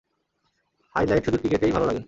Highlight শুধু ক্রিকেটেই ভালো লাগে।